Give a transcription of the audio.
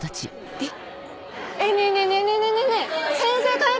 えっ！